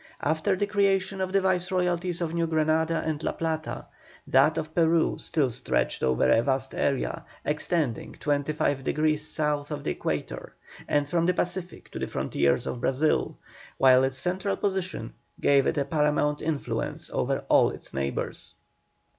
After the creation of the Viceroyalties of New Granada and La Plata, that of Peru still stretched over a vast area, extending 25 degrees south of the Equator, and from the Pacific to the frontiers of Brazil, while its central position gave it a paramount influence over all its neighbours.